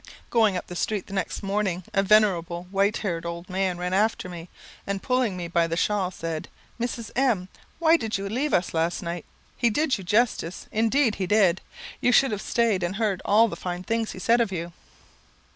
Going up the street next morning, a venerable white haired old man ran after me, and pulling me by the shawl, said, "Mrs. M , why did you leave us last night? He did you justice indeed he did. You should have stayed and heard all the fine things he said of you."